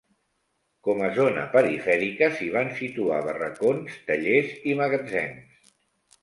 Com a zona perifèrica, s'hi van situar barracons, tallers i magatzems.